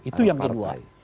itu yang kedua